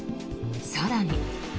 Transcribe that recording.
更に。